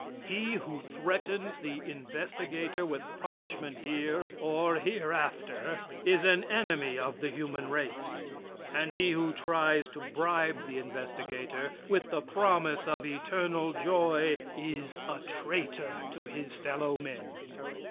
He who threatens the investigator with punishment here, or hereafter, is an enemy of the human race. And he who tries to bribe the investigator with the promise of eternal joy is a traitor to his fellow men.